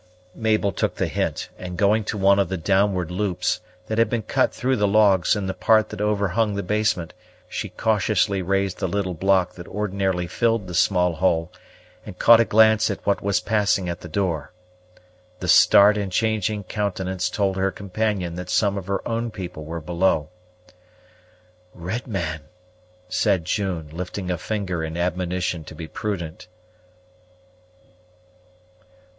Mabel took the hint, and, going to one of the downward loops, that had been cut through the logs in the part that overhung the basement, she cautiously raised the little block that ordinarily filled the small hole, and caught a glance at what was passing at the door. The start and changing countenance told her companion that some of her own people were below. "Red man," said June, lifting a finger in admonition to be prudent.